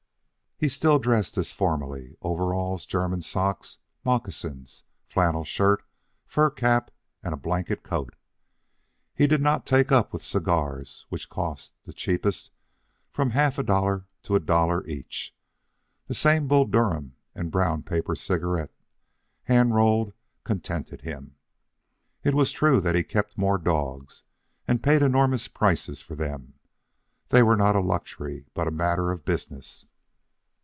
He still dressed as formerly: overalls, German socks, moccasins, flannel shirt, fur cap, and blanket coat. He did not take up with cigars, which cost, the cheapest, from half a dollar to a dollar each. The same Bull Durham and brown paper cigarette, hand rolled, contented him. It was true that he kept more dogs, and paid enormous prices for them. They were not a luxury, but a matter of business.